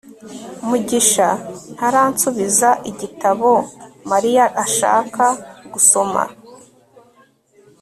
mugisha ntaransubiza igitabo mariya ashaka gusoma